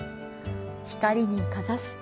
光にかざすと。